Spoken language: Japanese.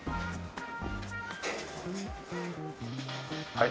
はい。